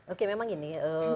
oke memang gini